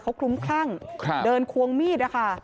เขาคลุ้มคลั่งเดินควงมีดนะคะ